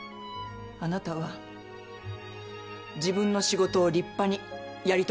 あなたは自分の仕事を立派にやり遂げただけ。